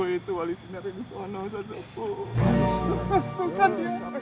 itu wali sinar yang disana